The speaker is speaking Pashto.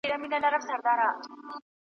زموږ له ډلي اولادونه ځي ورکیږي .